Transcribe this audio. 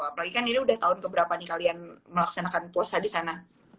apalagi kan ini udah tahun keberapa nih kalian melaksanakan puasa di sana